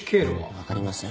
分かりません。